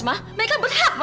mereka berhak ma